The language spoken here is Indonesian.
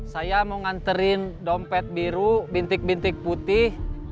saya mau nganterin dompet biru bintik bintik putih